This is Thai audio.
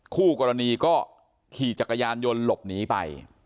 คู่กรณีก็ขี่จักรยานยนต์หลบหนีไป